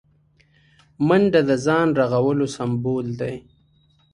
منډه د ځان رغولو سمبول دی